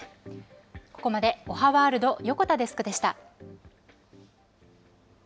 ここまでおはワールド、横田デスクでした。